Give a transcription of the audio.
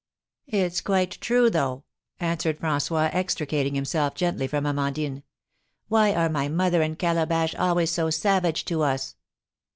"It's quite true, though," answered François, extricating himself gently from Amandine. "Why are my mother and Calabash always so savage to us?"